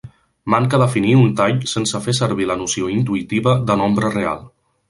Manca definir un tall sense fer servir la noció intuïtiva de nombre real.